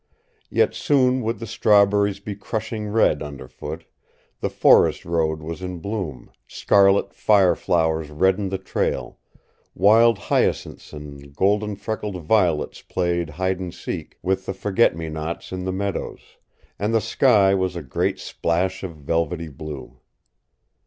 Yet soon would the strawberries be crushing red underfoot; the forest road was in bloom, scarlet fire flowers reddened the trail, wild hyacinths and golden freckled violets played hide and seek with the forget me nots in the meadows, and the sky was a great splash of velvety blue.